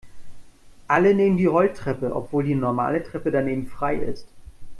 Alle nehmen die Rolltreppe, obwohl die normale Treppe daneben frei ist.